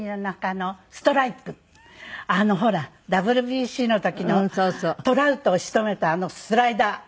ほらＷＢＣの時のトラウトを仕留めたあのスライダー。